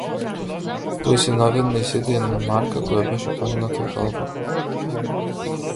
Тој се наведна и зеде една марка која беше падната од албумот.